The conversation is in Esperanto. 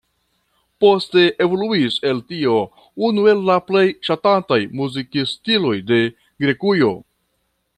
Poste evoluis el tio unu el la plej ŝatataj muzikstiloj de Grekujo.